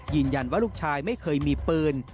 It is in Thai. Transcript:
ยืนยันว่าลูกชายไม่เคยมีปืน